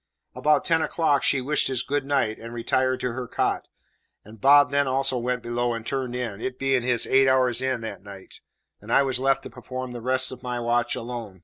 About ten o'clock she wished us "good night," and retired to her cot; and Bob then also went below and turned in, it being his "eight hours in" that night, and I was left to perform the rest of my watch alone.